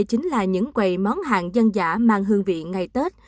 chính là những quầy món hàng dân giả mang hương vị ngày tết